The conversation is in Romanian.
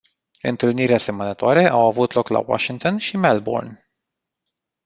Întâlniri asemănătoare au avut loc la Washington și Melbourne.